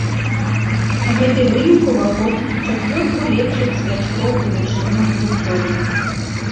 Гэты вынік уваходзіць у чацвёрку лепшых скачкоў у вышыню ў гісторыі.